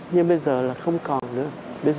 nhưng bây giờ là không còn nữa